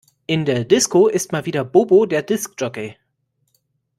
In der Disco ist mal wieder Bobo der Disk Jockey.